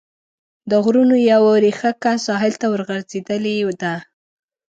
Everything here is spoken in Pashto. د غرونو یوه ريښکه ساحل ته ورغځېدلې ده.